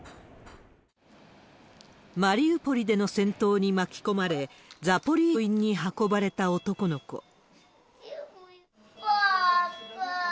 マリウポリでの戦闘に巻き込まれ、ザポリージャの病院に運ばれた男の子。